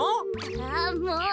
あもう！